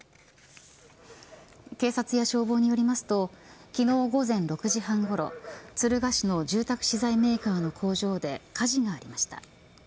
警察や消防によりますと昨日午前６時半ごろ敦賀市の住宅資材メーカーの工場で火事がありました。